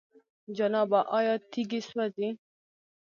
جنابه! آيا تيږي سوزي؟